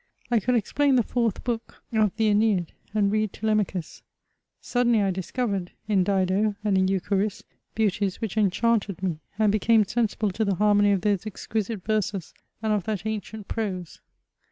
I could explain the fourth book of the ^neid, and read Telemachus : suddenly I discovered, in Dido and in Eucharis, beauties which enchanted me, and became sen sible to the harmony of those exquisite verses, and of that ancient prose.